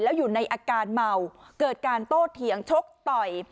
แล้วอยู่ในอาการเมาเกิดการโต้เถียงชกต่อย